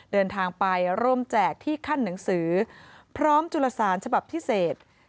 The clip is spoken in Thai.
เดินทางไปร่วมแจกที่ขั้นหนังสือพร้อมจุลสารฉบับพิเศษ